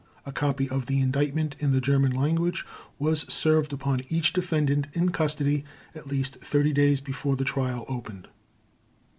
A copy of the Indictment in the German language was served upon each defendant in custody, at least 30 days before the Trial opened.